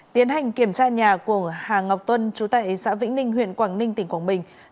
tiến hành kiểm tra nhà của hà ngọc tuân trú tại xã vĩnh ninh huyện quảng ninh tỉnh quảng bình